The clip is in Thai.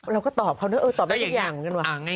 เราก็ตอบเขาตอบได้แค่อย่างเหมือนกัน